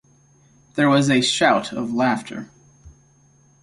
There was a shout of laughter.